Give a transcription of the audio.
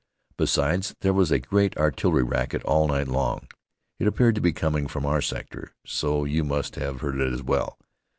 Besides, there was a great artillery racket all night long. It appeared to be coming from our sector, so you must have heard it as well.